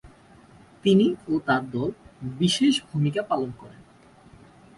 তিনি ও তার দল বিশেষ ভূমিকা পালন করেন।